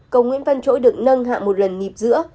cầu nguyễn văn chỗi được nâng hạ một lần nhịp giữa